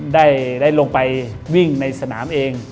ได้ลงไปวิ่งในสนามเอง